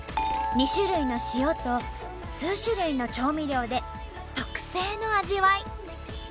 ２種類の塩と数種類の調味料で特製の味わい。